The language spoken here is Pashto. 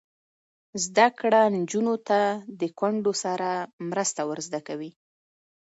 زده کړه نجونو ته د کونډو سره مرسته ور زده کوي.